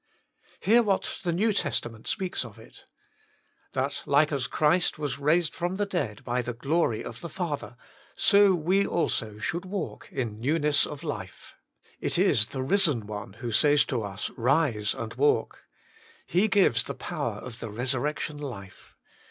Hear what the New Testament speaks of it :" That like as Christ was raised from the dead by the glory of the Father, so we also should walk in newness of life." It is the Eisen One who says to us, Eise and walk : He gives the power of the resurrection life.